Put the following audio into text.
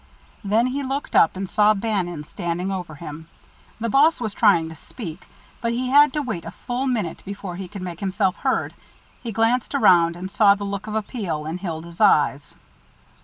Then he looked up, and saw Bannon standing over him. The boss was trying to speak, but he had to wait a full minute before he could make himself heard. He glanced around and saw the look of appeal in Hilda's eyes.